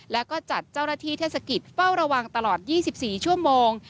และก็จัดเจ้าหน้าที่เทศกิจเฝ้าระวังตลอด๒๔ชั่วโมง